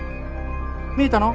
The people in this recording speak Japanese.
見えたの？